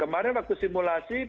kemudian waktu simulasi